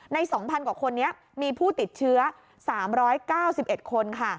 ๒๐๐กว่าคนนี้มีผู้ติดเชื้อ๓๙๑คนค่ะ